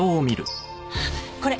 これ。